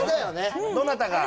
どなたが？